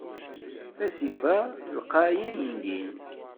Asif-a lqay ayendin.